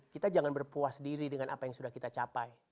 kita jangan berpuas diri dengan apa yang sudah kita capai